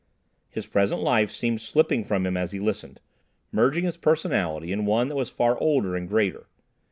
His present life seemed slipping from him as he listened, merging his personality in one that was far older and greater.